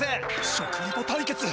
食リポ対決